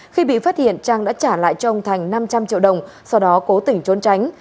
khi bị phát hiện trang đã trả lại cho ông thành năm trăm linh triệu đồng sau đó cố tỉnh trốn tránh